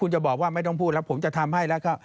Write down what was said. คุณจะบอกว่าไม่ต้องพูดแล้วผมจะทำให้แล้วก็